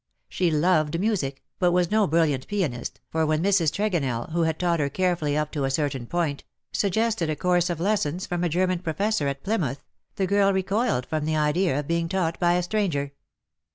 She loved music, but was no brilliant pianist, for when Mrs. Tregonell, who had taught her carefully up to a certain point, suggested a course of lessons from a German professor at Plymouth, the girl recoiled from the idea of being taught by a stranger.